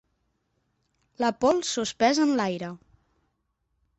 La pols suspesa en l'aire.